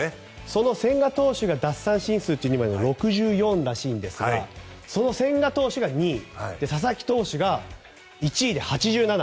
その千賀投手が奪三振数というのが６４らしいんですがその千賀投手が２位佐々木投手が１位で８７。